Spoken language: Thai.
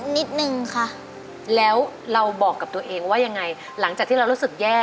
นิดนึงค่ะแล้วเราบอกกับตัวเองว่ายังไงหลังจากที่เรารู้สึกแย่